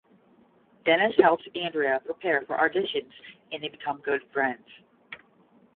Dennis helps Andrea prepare for auditions and they become good friends.